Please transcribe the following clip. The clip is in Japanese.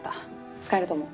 使えると思う。